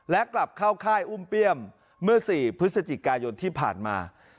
และกลับเข้าค่ายอุ้มเปี้ยมเมื่อ๔พฤศจิกายนที่ผ่านมา